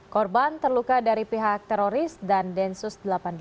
korban terluka dari pihak teroris dan densus delapan puluh delapan